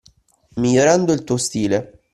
Migliorando il tuo stile